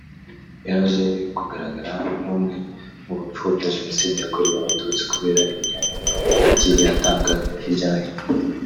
yaje kugaragara nk’umwe mu bapfobya Jenoside yakorewe Abatutsi kubera ibiganiro yagiye atanga hirya no hino